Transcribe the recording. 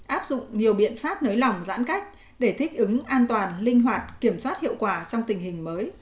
áp dụng nhiều biện pháp nới lỏng giãn cách để thích ứng an toàn linh hoạt kiểm soát hiệu quả trong tình hình mới